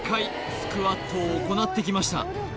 スクワットを行ってきました